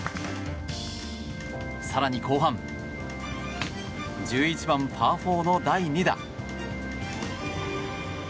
更に後半１１番、パー４の第２打。